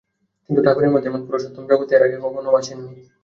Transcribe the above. কিন্তু ঠাকুরের মত এমন পুরুষোত্তম জগতে এর আগে আর কখনও আসেননি।